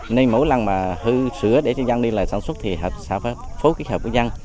nên mỗi lần mà hư sửa để cho dân đi lại sản xuất thì hợp xã phải phối kết hợp với dân